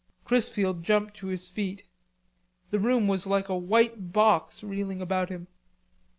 Chrisfield jumped to his feet. The room was like a white box reeling about him.